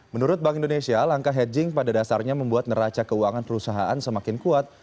menurut bank indonesia langkah hedging pada dasarnya membuat neraca keuangan perusahaan semakin kuat